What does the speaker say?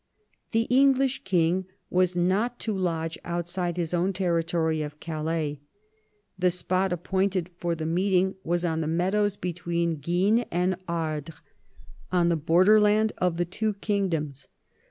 The English' king was not to lodge outside his own territory of Calais ; the spot appointed for the meeting was on the meadows between Guisnes and Ardres, on the border land of the two kingdoms.